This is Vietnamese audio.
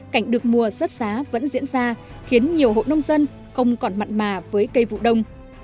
cảnh được mùa rớt giá vẫn diễn ra khiến nhiều hộ nông dân không còn mặn mà với cây vụ đông